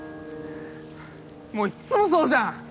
もういっつもそうじゃん！